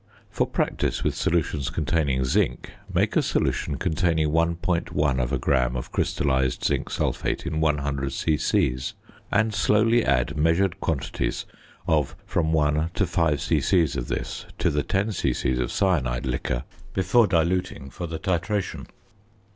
For practice with solutions containing zinc make a solution containing 1.1 gram of crystallised zinc sulphate in 100 c.c. and slowly add measured quantities of from 1 to 5 c.c. of this to the 10 c.c. of cyanide liquor before diluting for the titration.